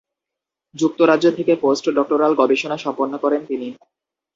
যুক্তরাজ্য থেকে post doctoral গবেষণা সম্পন্ন করেন তিনি।